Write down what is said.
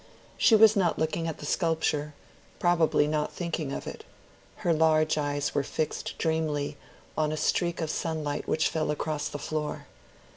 She was not looking at the sculpture, probably not thinking of it: her large eyes were fixed dreamily on a streak of sunlight which fell across the floor.